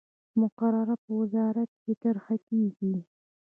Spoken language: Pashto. مقرره په وزارت کې طرح کیږي.